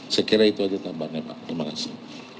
saya kira itu aja tambahannya pak terima kasih